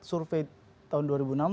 survei tahun dua ribu enam